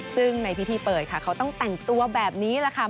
ซึ่งในพิธีเปิดค่ะเขาต้องแต่งตัวแบบนี้แหละค่ะ